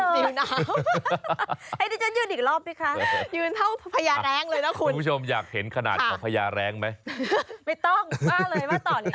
ไม่ต้องไหมไม่ต้องบ้าเลยว่าตอนนี้ค่ะ